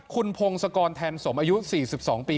คุณพงศกรแทนสมอายุ๔๒ปี